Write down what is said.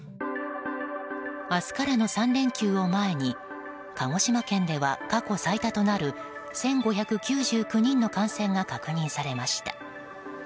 明日からの３連休を前に鹿児島県では過去最多となる１５９９人の感染が確認されました。